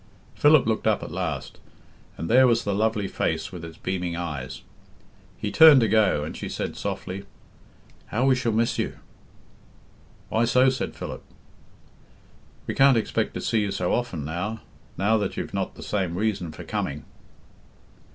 Philip looked up at last, and there was the lovely face with its beaming eyes. He turned to go, and she said, softly, "How we shall miss you!" "Why so?" said Philip. "We can't expect to see you so often now now that you've not the same reason for coming."